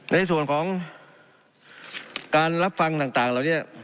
ในส่วนของการรับฟังต่างเหล่านี้